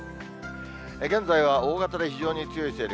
現在は大型で非常に強い勢力。